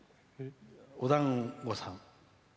おだんごさん。